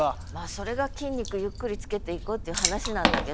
それが筋肉ゆっくりつけていこうっていう話なんだけど。